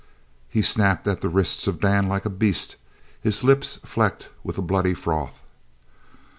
He snapped at the wrists of Dan like a beast, his lips flecked with a bloody froth.